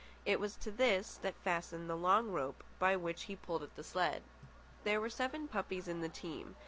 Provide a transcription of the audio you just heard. It was to this that was fastened the long rope by which he pulled at the sled. There were seven puppies in the team.